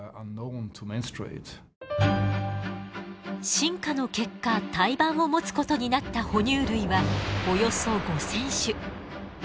進化の結果胎盤を持つことになったほ乳類はおよそ５，０００種。